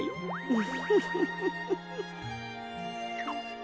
ウフフフフフ。